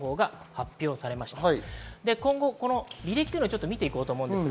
今後、この履歴を見ていきます。